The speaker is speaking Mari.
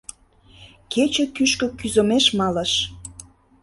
Кече кӱшкӧ кӱзымеш малыш.